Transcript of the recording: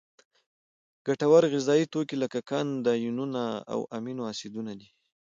ګټور غذایي توکي لکه قند، آیونونه او امینو اسیدونه دي.